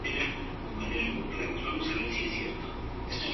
Esta gárgola para desalojar agua tiene el nombre de "La Bruja de la Catedral".